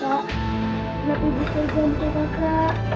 tuh nanti bisa jantung aja